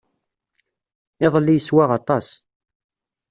Iḍelli yeswa aṭas.